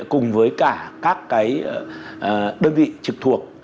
cùng với cả các đơn vị trực thuộc